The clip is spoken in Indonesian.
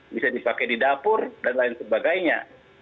bisa dipakai di dapur dan lain sebagainya